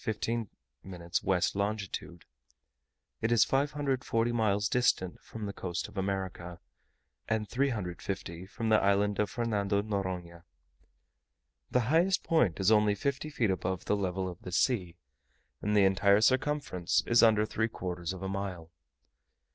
15' west longitude. It is 540 miles distant from the coast of America, and 350 from the island of Fernando Noronha. The highest point is only fifty feet above the level of the sea, and the entire circumference is under three quarters of a mile.